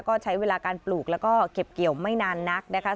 ก็ใช้เวลาการปลูกแล้วก็เก็บเกี่ยวไม่นานนักนะคะ